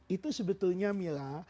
itu sebetulnya mila